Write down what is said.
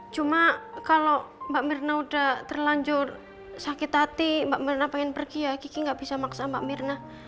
cuma kalau mbak mirna udah terlanjur sakit hati mbak mirna pengen pergi ya gigi nggak bisa maksa mbak mirna